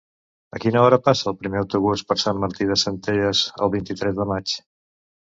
A quina hora passa el primer autobús per Sant Martí de Centelles el vint-i-tres de maig?